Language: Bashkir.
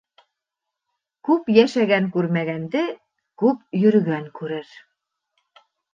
Күп йәшәгән күрмәгәнде күп йөрөгән күрер.